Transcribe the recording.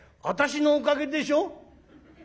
「私のおかげでしょ？」。